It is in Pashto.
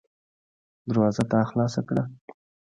دروازه تا خلاصه کړه.